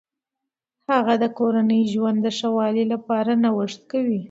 هغه د کورني ژوند د ښه والي لپاره نوښت کوي.